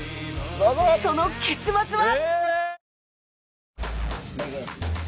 その結末は？